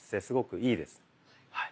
すごくいいです。